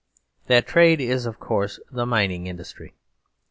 That trade is, of course, the mining industry.